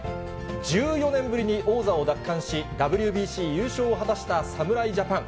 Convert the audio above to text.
１４年ぶりに王座を奪還し、ＷＢＣ優勝を果たした侍ジャパン。